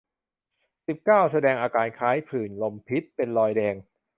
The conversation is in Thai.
สิบเก้า แสดงอาการคล้ายผื่นลมพิษ เป็นรอยแดง